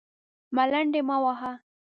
_ملنډې مه وهه!